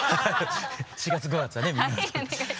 ４月５月はね「みんなのうた」。